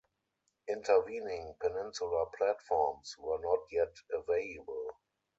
Intervening peninsular platforms were not yet available.